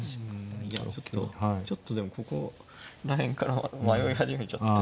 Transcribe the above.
いやちょっとちょっとでもここら辺から迷い始めちゃって。